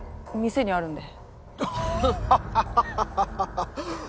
「店にあるんで」。